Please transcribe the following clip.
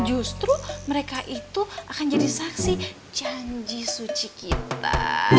justru mereka itu akan jadi saksi janji suci kita